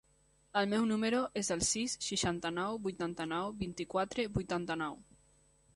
El meu número es el sis, seixanta-nou, vuitanta-nou, vint-i-quatre, vuitanta-nou.